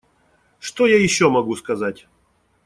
Что я еще могу сказать?